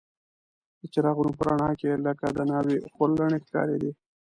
د څراغونو په رڼا کې لکه د ناوې خورلڼې ښکارېدې.